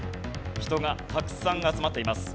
人がたくさん集まっています。